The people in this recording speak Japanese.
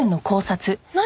何？